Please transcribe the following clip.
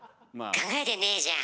考えてねえじゃん。